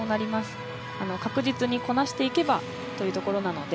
確実にこなしていけばというところなので。